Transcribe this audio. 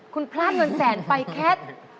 คุณพลาดเงินแสนไปแค่